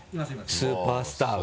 スーパースターが。